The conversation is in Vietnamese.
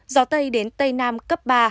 gió tây đến tây nam cấp ba